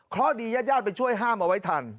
เค้าดีแย่ไปช่วยห้ามเอาไว้ทัน